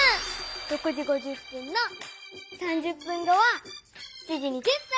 ６時５０分の３０分後は７時２０分！